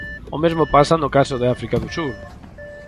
O mesmo pasa no caso de África do sur.